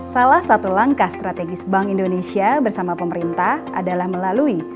salah satu langkah strategis bank indonesia bersama pemerintah adalah melalui